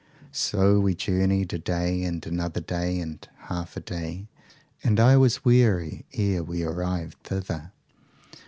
So we journeyed a day and another day and half a day, and I was weary ere we arrived thither.